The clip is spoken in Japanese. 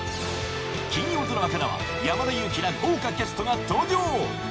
金曜ドラマからは山田裕貴ら豪華キャストが登場